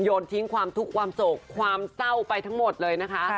โยนทิ้งความทุกข์ความโศกความเศร้าไปทั้งหมดเลยนะคะ